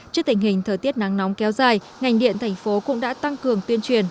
trước tình hình thời tiết nắng nóng kéo dài ngành điện tp cũng đã tăng cường tuyên truyền